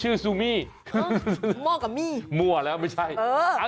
ซูมี่มั่วกับมี่มั่วแล้วไม่ใช่เออ